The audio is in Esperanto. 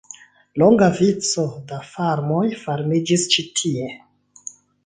Longa vico da farmoj formiĝis ĉi tie.